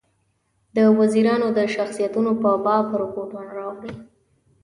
د وزیرانو د شخصیتونو په باب رپوټونه راوړي.